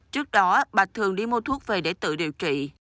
trước đó bà thường đi mua thuốc về để tự điều trị